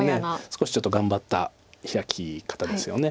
少しちょっと頑張ったヒラキ方ですよね。